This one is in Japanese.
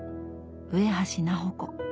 上橋菜穂子